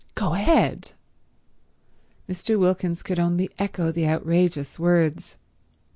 "Go ahead!" Mr. Wilkins could only echo the outrageous words.